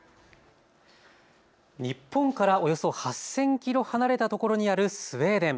日本からおよそ８０００キロ離れたところにあるスウェーデン。